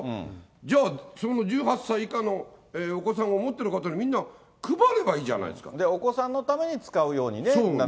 じゃあ、その１８歳以下のお子さん持ってる方みんな配ればいいじゃないでお子さんのために使うようにね。